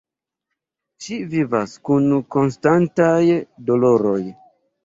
Ŝi vivas kun konstantaj doloroj.